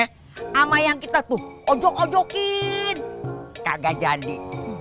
sama yang kita tuh ojok ojokin kagak jadi